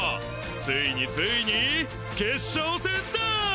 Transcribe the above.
ついについに決勝戦だ！